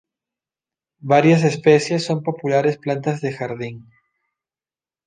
Varias especies son populares plantas de jardín.